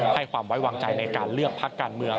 ให้ความไว้วางใจในการเลือกพักการเมือง